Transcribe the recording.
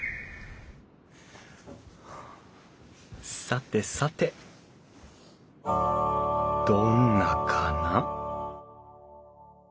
さてさてどんなかな？